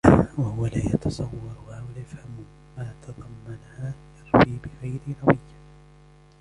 وَهُوَ لَا يَتَصَوَّرُهَا وَلَا يَفْهَمُ مَا تَضَمَّنَهَا يَرْوِي بِغَيْرِ رَوِيَّةٍ